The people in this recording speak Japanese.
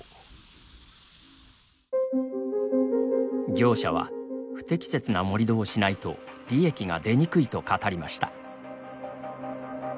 業者は不適切な盛り土をしないと利益が出にくいと語りました。